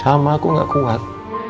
sama aku gak kuat